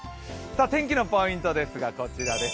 天気のポイントですがこちらです。